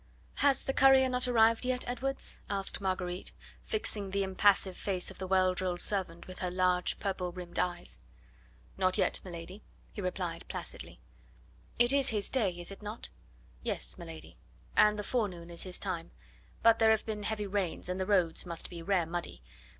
"Has the courier not arrived yet, Edwards?" asked Marguerite, fixing the impassive face of the well drilled servant with her large purple rimmed eyes. "Not yet, m'lady," he replied placidly. "It is his day, is it not?" "Yes, m'lady. And the forenoon is his time. But there have been heavy rains, and the roads must be rare muddy.